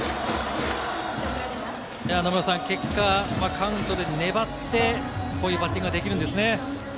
野村さん、結果、カウントで粘ってこういうバッティングができるんですね。